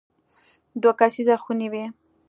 دوه کسیزه خونې وې.